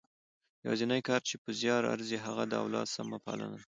یوازنۍ کار چې په زیار ارزي هغه د اولاد سمه پالنه ده.